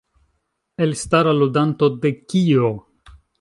Elstara ludanto de Kio?